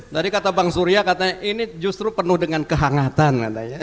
tadi kata bang surya katanya ini justru penuh dengan kehangatan